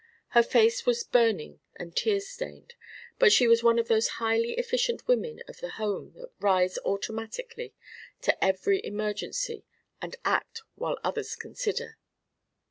Her face was burning and tear stained, but she was one of those highly efficient women of the home that rise automatically to every emergency and act while others consider.